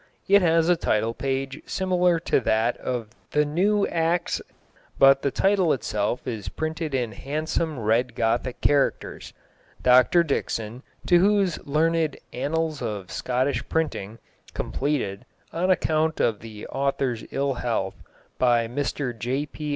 It has a title page similar to that of the Nevv Actis, but the title itself is printed in handsome red Gothic characters. Dr Dickson, to whose learned Annals of Scottish Printing (completed, on account of the author's ill health, by Mr J. P.